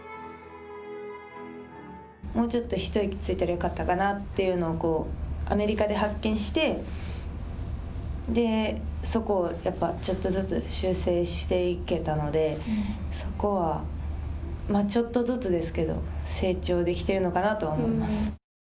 もうちょっと一息ついたらよかったかなというのをアメリカで発見してそこをちょっとずつ修正していけたのでそこは、まあちょっとずつですけど成長できてるのかなと思います。